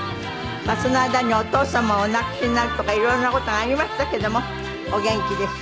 その間にはお父様をお亡くしになるとか色々な事がありましたけれどもお元気です。